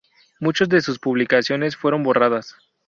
Muchos de sus publicaciones fueron borradas.